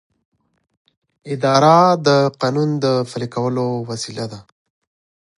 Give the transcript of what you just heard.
اداره د قانون د پلي کولو وسیله ده.